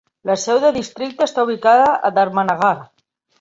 La seu de districte està ubicada a Dharmanagar.